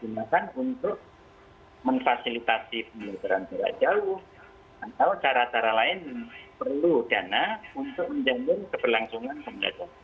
jadi dana post dual juga digunakan untuk memfasilitasi pemerintahan jauh atau cara cara lain perlu dana untuk menjadikan keberlangsungan